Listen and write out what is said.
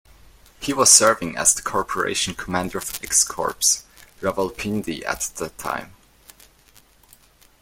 He was serving as the Corporation Commander of X Corps, Rawalpindi at that time.